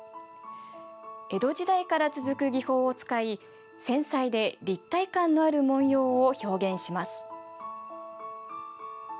江戸時代から続く技法を使い繊細で立体感のある紋様を表現します。